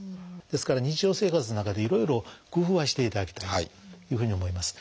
ですから日常生活の中でいろいろ工夫はしていただきたいというふうに思います。